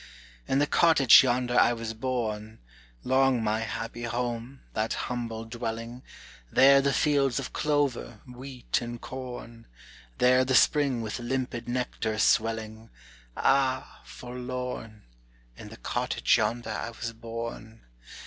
"In the cottage yonder I was born; Long my happy home, that humble dwelling; There the fields of clover, wheat, and corn; There the spring with limpid nectar swelling; Ah, forlorn! In the cottage yonder I was born.